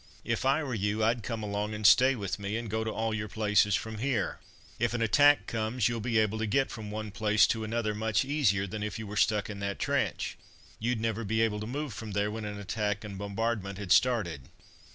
"If I were you I'd come along and stay with me, and go to all your places from here. If an attack comes you'll be able to get from one place to another much easier than if you were stuck in that trench. You'd never be able to move from there when an attack and bombardment had started."